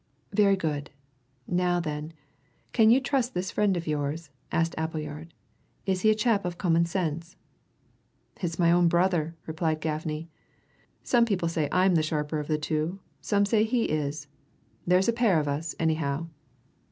"Very good. Now, then, can you trust this friend of yours?" asked Appleyard. "Is he a chap of common sense?" "It's my own brother," replied Gaffney. "Some people say I'm the sharper of the two, some say he is. There's a pair of us, anyhow."